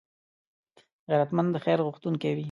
غیرتمند د خیر غوښتونکی وي